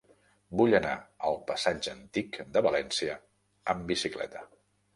Vull anar al passatge Antic de València amb bicicleta.